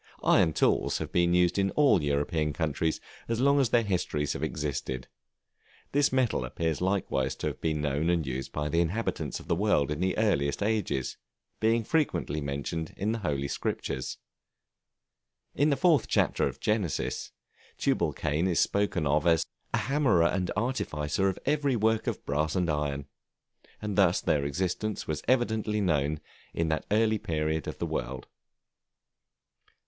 Iron tools have been used in all European countries as long as their histories have existed; this metal appears likewise to have been known and used by the inhabitants of the world in the earliest ages, being frequently mentioned in the Holy Scriptures. In the fourth chapter of Genesis, Tubalcain is spoken of as "a hammerer and artificer in every work of brass and iron," and thus their existence was evidently known at that early period of the world.